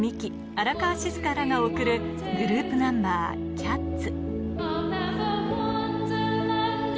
荒川静香らが送るグループナンバー『Ｃａｔｓ』